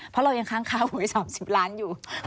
เพราะเรายังค้างค่าหวย๓๐ล้านอยู่